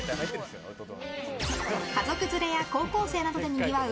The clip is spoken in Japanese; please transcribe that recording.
家族連れや高校生などでにぎわう